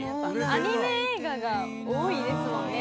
アニメ映画が多いですもんね。